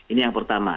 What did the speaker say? ini yang pertama